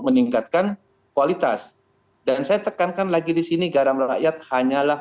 meningkatkan kualitas dan saya tekankan lagi di sini garam rakyat hanyalah